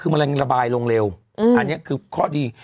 คือมันระบายลงเร็วอันนี้คือข้อดี